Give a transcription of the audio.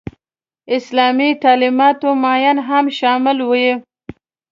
اسلامي تعلیماتو معین هم شامل وي.